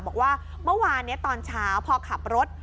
บอกว่าเมื่อวานนี้ตอนเช้าพอขับรถ